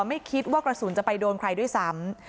ไม่คิดว่ากระสุนจะไปโดนใครด้วยซ้ำ